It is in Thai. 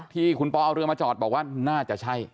ที่คุณปอเอาเรือมาจอดบอกว่าน่าจะใช่